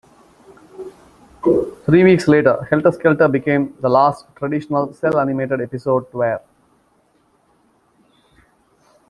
Three weeks later, "Helter Shelter" became the last traditional cel-animated episode to air.